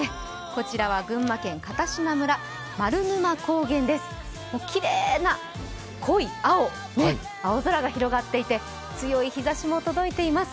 こちらは群馬県片品村、丸沼高原です、きれいな濃い青、青空が広がっていて、強い日ざしも届いています。